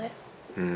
うん。